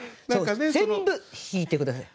全部引いて下さい。